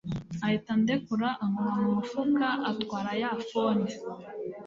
ahita andekura ankora mu ufuka atwara ya phone